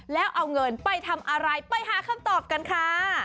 แล้วเอาเงินไปทำอะไรไปหาคำตอบกันค่ะ